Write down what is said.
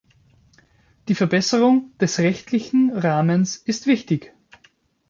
Die Verbesserung des rechtlichen Rahmens ist wichtig.